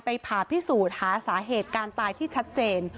ผ่าพิสูจน์หาสาเหตุการตายที่ชัดเจน